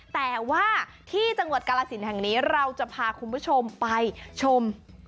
แต่ว่าที่จังหวัดกาลสินแห่งนี้เราจะพาคุณผู้ชมไปชม